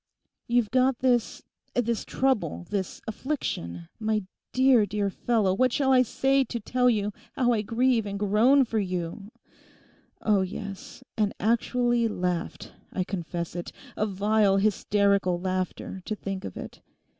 You've got this—this trouble, this affliction—my dear, dear fellow what shall I say to tell you how I grieve and groan for you oh yes, and actually laughed, I confess it, a vile hysterical laughter, to think of it.